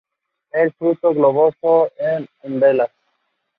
Fleckenstein is characterized by her work across different media platforms.